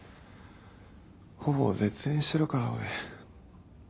ほぼ絶縁してるから俺。